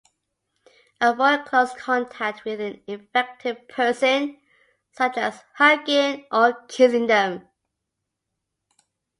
Avoid close contact with an infected person, such as hugging or kissing them.